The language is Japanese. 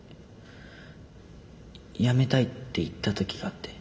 やめたいって言った時があって。